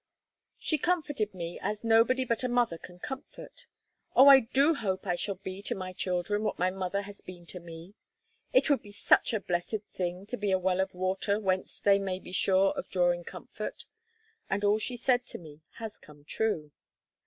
She comforted me as nobody but a mother can comfort. Oh, I do hope I shall be to my children what my mother has been to me! It would be such a blessed thing to be a well of water whence they may be sure of drawing comfort. And all she said to me has come true.